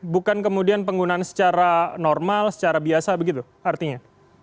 bukan kemudian penggunaan secara normal secara biasa begitu artinya